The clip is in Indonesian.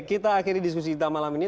kita akhiri diskusi kita malam ini